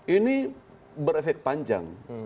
ini berefek panjang